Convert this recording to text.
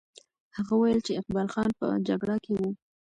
هغه وویل چې اقبال خان په جګړه کې وو.